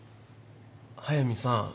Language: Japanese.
速見さん。